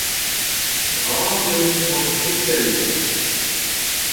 Bras eo ti mamm Kristell ivez.